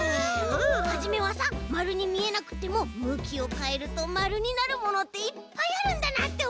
はじめはさまるにみえなくってもむきをかえるとまるになるものっていっぱいあるんだなっておもったんだよ！